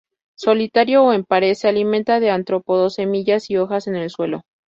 Solitario o en pares, se alimenta de artrópodos, semillas y hojas en el suelo.